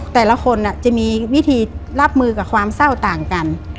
แต่ละคนจะมีวิธีรับมือกับความเศร้าต่างกัน